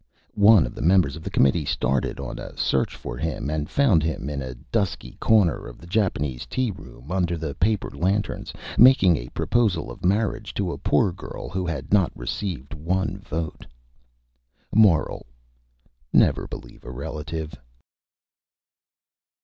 One of the Members of the Committee started on a Search for him, and found him in a dusky Corner of the Japanese Tea Garden, under the Paper Lanterns, making a Proposal of Marriage to a Poor Girl who had not received one Vote. MORAL: _Never believe a Relative.